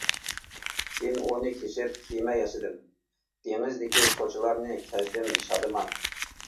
كېيىن ئۇنى كېسىپ كېمە ياسىدىم دېڭىزدىكى كوچىلارنى كەزدىم شادىمان.